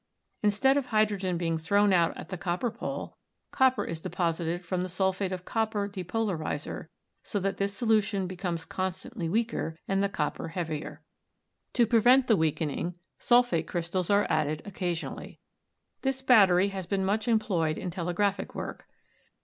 Instead of hydrogen being thrown out at the copper pole, copper is deposited from the sulphate of copper depolarizer so that this solution becomes constantly weaker and the copper heavier. To prevent the weakening of the sulphate crystals are added occasionally. This battery has been much employed in telegraphic work.